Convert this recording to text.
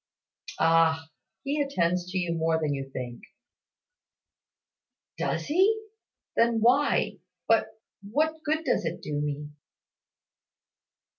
"Ah! He attends to you more than you think." "Does he? Then why but what good does it do me?"